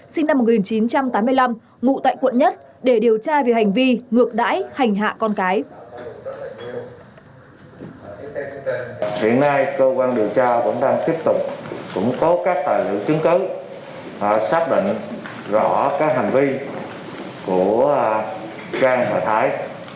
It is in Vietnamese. sinh năm một nghìn chín trăm tám mươi năm ngụ tại quận một để điều tra về hành vi ngược đãi hành hạ con cái